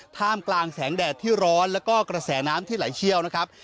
ท่ามกลางแสงแดดที่ร้อนแล้วก็กระแสน้ำที่ไหลเชี่ยวนะครับ